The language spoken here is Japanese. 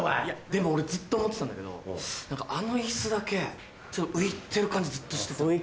でも俺ずっと思ってたんだけど何かあの椅子だけ浮いてる感じずっとしてて。